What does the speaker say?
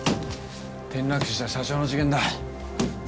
転落死した社長の事件だ。